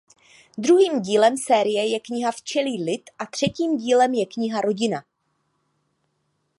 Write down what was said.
Druhým dílem série je kniha Včelí lid a třetím dílem je kniha Rodina.